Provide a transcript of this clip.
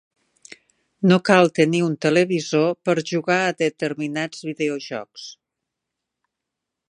No cal tenir un televisor per jugar a determinats videojocs.